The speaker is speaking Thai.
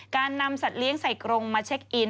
การนำสัตว์เลี้ยงใส่กรงมาเช็คอิน